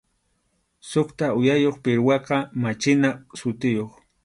Suqta uyayuq pirwaqa machina sutiyuq.